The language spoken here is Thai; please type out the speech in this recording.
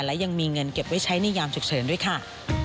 และยังมีเงินเก็บไว้ใช้ในยามฉุกเฉินด้วยค่ะ